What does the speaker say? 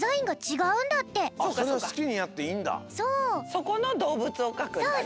そこのどうぶつをかくんだね。